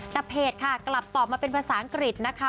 แต่เพจค่ะกลับตอบมาเป็นภาษาอังกฤษนะคะ